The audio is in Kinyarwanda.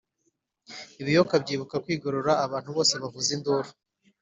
Ibiyoka byibuka kwigorora Abantu bose bavuza induru,